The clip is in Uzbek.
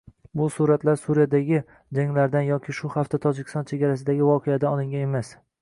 Bu suratlar Suriyadagi janglardan yoki shu hafta Tojikiston chegarasidagi voqealardan olingan emas